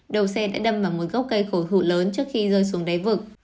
đầu xe đã đâm vào một gốc cây khổ thủ lớn trước khi rơi xuống đáy vực